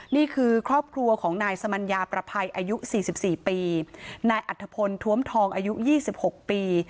นี่คือครอบครัวของนายสมัญญาประภัยอายุ๔๔ปีนายอัธพลท้วมทองอายุ๒๖ปี